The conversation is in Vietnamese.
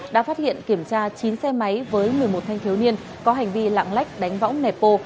đã phát hiện kiểm tra chín xe máy với một mươi một thanh thiếu niên có hành vi lạng lách đánh võng nẹp bô